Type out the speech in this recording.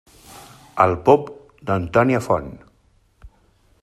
El pop d'Antònia Font.